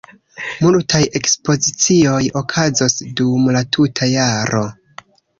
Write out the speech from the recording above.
Multaj ekspozicioj okazos dum la tuta jaro.